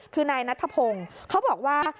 คือนายนัทธพงศ์เขาบอกว่า